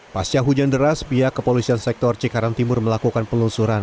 pasca hujan deras pihak kepolisian sektor cikarang timur melakukan pelusuran